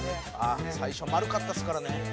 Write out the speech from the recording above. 最初丸かったですからね。